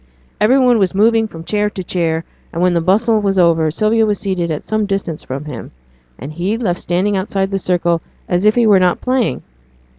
Every one was moving from chair to chair, and when the bustle was over Sylvia was seated at some distance from him, and he left standing outside the circle, as if he were not playing.